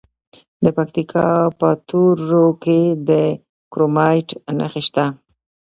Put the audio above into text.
د پکتیکا په تروو کې د کرومایټ نښې شته.